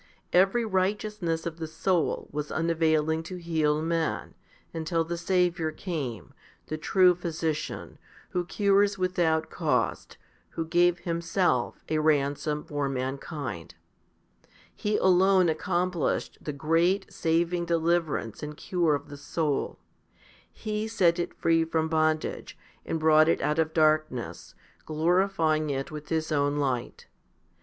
Every righteousness of the soul was unavailing to heal man, until the Saviour came, the true Physician, who cures with out cost, who gave Himself a ransom for mankind. He alone accomplished the great, saving deliverance and cure of the soul. He set it free from bondage, and brought it out of darkness, glorifying it with His own light.